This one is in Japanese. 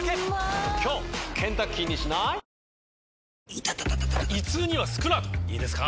イタタ．．．胃痛にはスクラートいいですか？